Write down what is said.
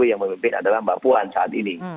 yang memimpin adalah mbak puan saat ini